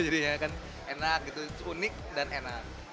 jadi enak gitu unik dan enak